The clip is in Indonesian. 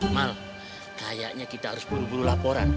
mahal kayaknya kita harus buru buru laporan